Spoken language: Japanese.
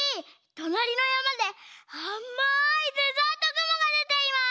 となりのやまであまいデザートぐもがでています！